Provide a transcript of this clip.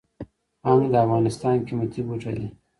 هنګ د افغانستان قیمتي بوټی دی